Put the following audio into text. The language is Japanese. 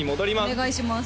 お願いします